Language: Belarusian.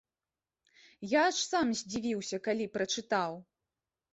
Я аж сам здзівіўся, калі прачытаў.